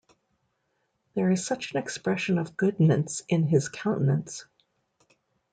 There is such an expression of goodness in his countenance!